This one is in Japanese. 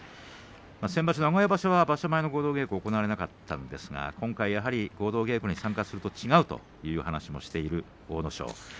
先場所、名古屋場所場所前の合同稽古は行われなかったんですが今回合同稽古に参加すると違うという話をしている阿武咲。